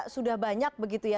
sudah banyak begitu ya